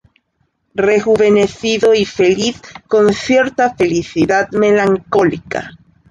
rejuvenecido y feliz, con cierta felicidad melancólica